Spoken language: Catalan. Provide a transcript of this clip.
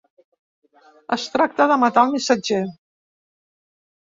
Es tracta de matar el missatger.